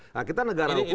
nah kita negara hukum